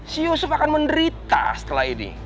si yusuf akan menderita setelah ini